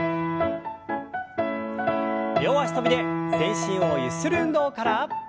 両脚跳びで全身をゆする運動から。